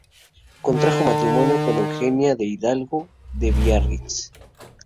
Contrajo matrimonio con Eugenia de Hidalgo de Biarritz.